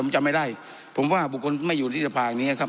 มันฉันไม่ได้ผมว่าบุคคลไม่อยู่ที่สภาคนี้ครับ